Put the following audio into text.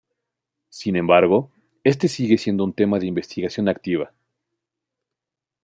Sin embargo, este sigue siendo un tema de investigación activa.